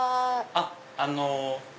あっあの。